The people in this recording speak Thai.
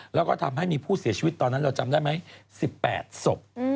แล้วก็ทำให้มีผู้เสียชีวิตตอนนั้นเราจำได้ไหม๑๘ศพ